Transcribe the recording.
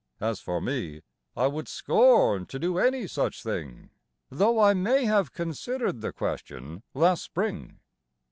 As for me, I would scorn to do any such thing, (Though I may have considered the question last spring.)